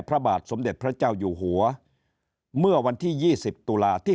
พระบาทสมเด็จพระเจ้าอยู่หัวเมื่อวันที่๒๐ตุลาที่